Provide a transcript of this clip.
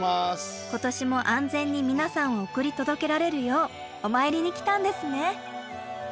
今年も安全に皆さんを送り届けられるようお参りに来たんですね。